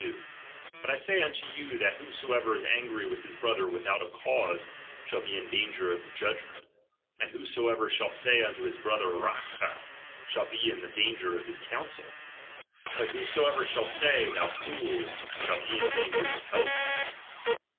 22) : But I say unto you, that whosoever I is angry with his brother without a cause, shall be in danger of the Judgment ; and whosoever shall say unto his brother Racha, shall be in danger of the council ; but whosoever shall say, thou fool, shall he in danger of hell fire.